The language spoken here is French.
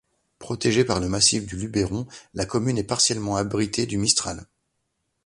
Protégée par le massif du Luberon, la commune est partiellement abritée du mistral.